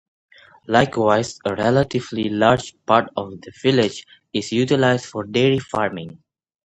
Likewise, a relatively large part of the village is utilized for dairy farming.